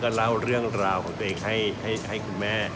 เล่าเรื่องราวของตัวเองให้คุณแม่